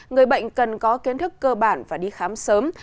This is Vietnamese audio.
người bệnh cần có kiến thức cơ bản và đi khám sớm